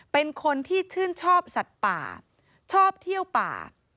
เป็นคนที่ชื่นชอบสัตว์ป่าชอบเที่ยวป่า